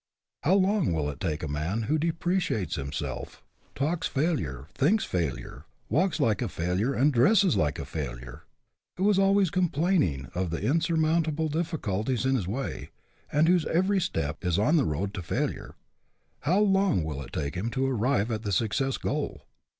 How long will it take a man who depreciates him self, talks failure, thinks failure, walks like a failure and dresses like a failure; who is always complaining of the insurmountable difficulties in his way, and whose every step is on the road to failure how long will it take him to arrive at the success goal?